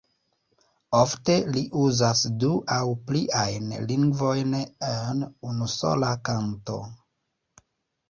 Ofte li uzas du aŭ pliajn lingvojn en unusola kanto.